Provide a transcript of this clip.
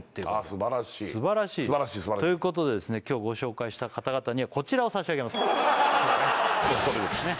すばらしいすばらしい今日ご紹介した方々にはこちらを差し上げますそうだね